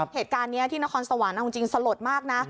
เหตุการณ์นี้ที่นครสวรรค์เอาจริงสลดมากนะ